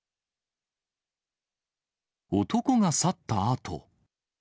男が去ったあと。